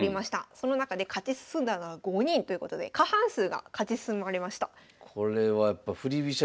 その中で勝ち進んだのは５人ということで過半数が勝ち進まれました。